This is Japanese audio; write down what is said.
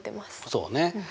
そうね。